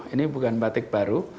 ini bukan batik baru